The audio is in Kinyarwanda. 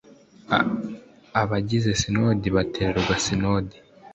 abagize sinodi batorerwa sinodi